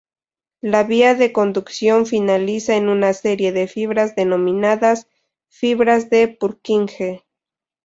La vía de conducción finaliza en una serie de fibras denominadas fibras de Purkinje.